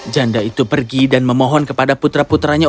janda itu pergi dan memohon kepada putra putranya